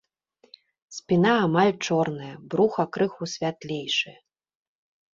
Спіна амаль чорная, бруха крыху святлейшае.